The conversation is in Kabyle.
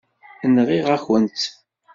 Nɣiɣ-akent-tt.